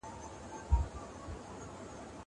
زه پرون مېوې وخوړه!!